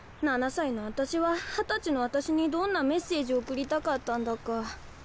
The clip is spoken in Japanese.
７歳の私は二十歳の私にどんなメッセージを送りたかったんだか。